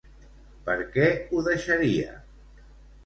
Per què ho deixaria?